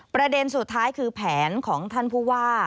ประเด็นสุดท้ายคือแผนของท่านผู้ว่า